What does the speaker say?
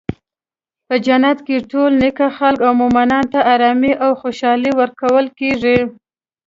په جنت کې ټول نیک خلک او مومنانو ته ارامي او خوشحالي ورکړل کیږي.